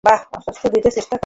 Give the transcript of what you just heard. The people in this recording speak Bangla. বা, অন্তত দিতে চেষ্টা করে।